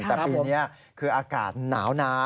แต่ปีนี้คืออากาศหนาวนา